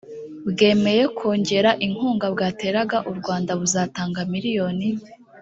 bwemeye kongera inkunga bwateraga u rwanda buzatanga miliyoni